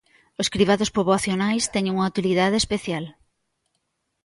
Os cribados poboacionais teñen unha utilidade especial.